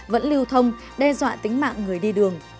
vẫn lưu thông đe dọa tính mạng người đi đường